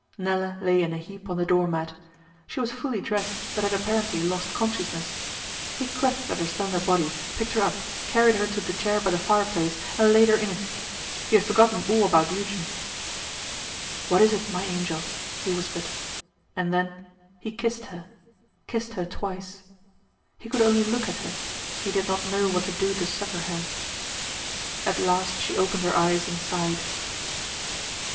Nella lay in a heap on the door mat. She was fully dressed, but had apparently lost consciousness. He clutched at her slender body, picked her up, carried her to the chair by the fire place, and laid her in it. He had forgotten all about Eugen. 'What is it, my angel?' he whispered, and then he kissed her kissed her twice. He could only look at her; he did not know what to do to succour her. At last she opened her eyes and sighed.